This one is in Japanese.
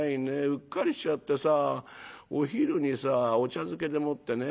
うっかりしちゃってさお昼にさお茶漬けでもってね